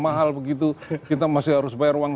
mahal begitu kita masih harus bayar uang